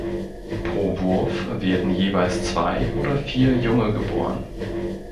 Pro Wurf werden jeweils zwei oder vier Junge geboren.